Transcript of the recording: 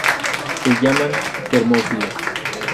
Se llaman termófilos.